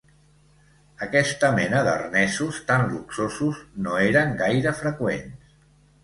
Aquesta mena d'arnesos, tan luxosos, no eren gaire freqüents.